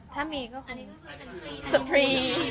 ถ้ามีก็คือสับปรีฮานิมูนค่ะ